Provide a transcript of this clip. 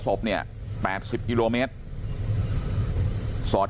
ครับคุณสาวทราบไหมครับ